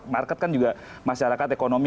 market kan juga masyarakat ekonomi